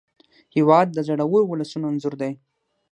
هېواد د زړورو ولسونو انځور دی.